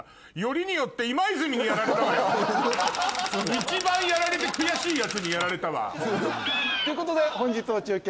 一番やられて悔しいヤツにやられたわホントに。ということで本日の中継